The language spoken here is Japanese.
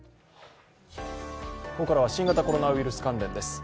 ここからは新型コロナウイルス関連です。